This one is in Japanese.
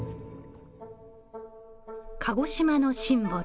鹿児島のシンボル